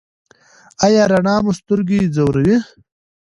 ایا رڼا مو سترګې ځوروي؟